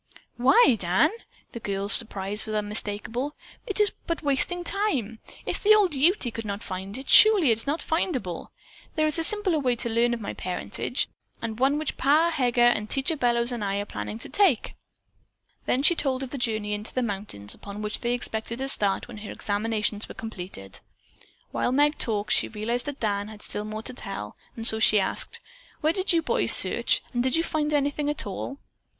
"Why, Dan," the girl's surprise was unmistakable, "it is but wasting time. If the old Ute could not find it, surely it is not findable. There is a simpler way to learn of my parentage, and one which Pa Heger, Teacher Bellows and I are planning to undertake." Then she told of the journey into the mountains upon which they expected to start when her examinations were completed. While Meg talked, she realized that Dan had still more to tell, and so she asked: "Where did you boys search, and did you find anything at all?"